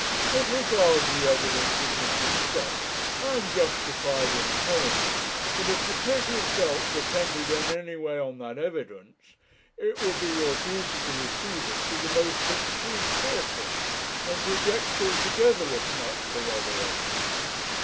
'As regards the evidence of Mr. Scott, I am justified in telling you, that if the prisoner's guilt depended in any way on that evidence, it would be your duty to receive it with the most extreme caution, and to reject it altogether if not corroborated.